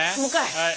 はい。